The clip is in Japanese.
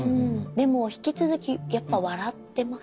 でも引き続きやっぱ笑ってますか？